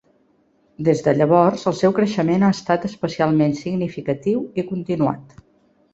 Des de llavors, el seu creixement ha estat especialment significatiu i continuat.